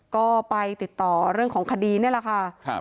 ก็ไปติดต่อเรื่องของคดีนี่แหละค่ะ